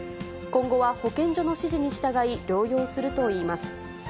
今後は保健所の指示に従い、療養するといいます。